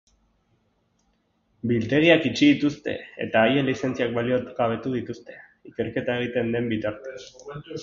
Biltegiak itxi dituzte eta haien lizentziak baliogabetu dituzte ikerketa egiten den bitartean.